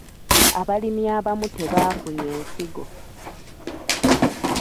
Abalimi abamu tebaafunye nsigo.